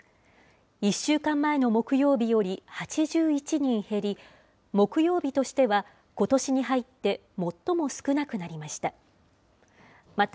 １週間前の木曜日より８１人減り、木曜日としてはことしに入って最も少なくなりました。